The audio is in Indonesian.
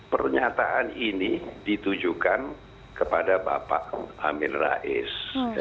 pernyataan ini ditujukan kepada bapak amin rais